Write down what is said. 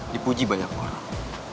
dipuji banyak orang